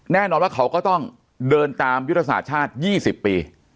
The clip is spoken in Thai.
แน่นอนว่าเขาก็ต้องเดินตามยุทธศาสตร์ชาติ๒๐ปี